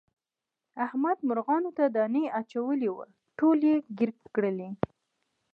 احمد مرغانو ته دانه اچولې وه ټولې یې ګیر کړلې.